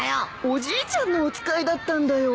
おじいちゃんのお使いだったんだよ。